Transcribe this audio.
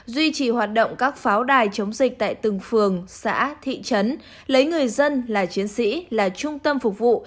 duy trì hoạt động các pháo đài chống dịch tại từng phường xã thị trấn lấy người dân là chiến sĩ là trung tâm phục vụ